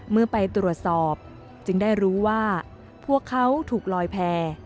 เมื่อไปตรวจสอบจึงได้รู้ว่าพวกเขาถูกลอยแพร่